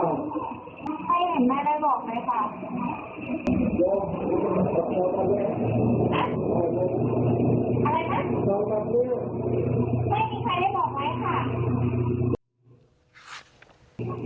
อะไรคะไม่มีใครได้บอกไหมค่ะ